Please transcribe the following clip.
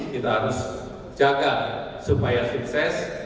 kita harus jaga supaya sukses